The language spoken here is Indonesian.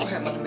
sebentar ya bu